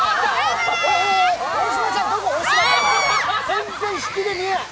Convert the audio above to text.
全然引きで見えない！